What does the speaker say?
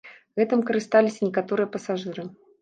Гэтым карысталіся некаторыя пасажыры.